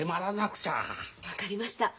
分かりました